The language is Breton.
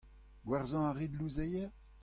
Gwerzhañ a rit louzeier ?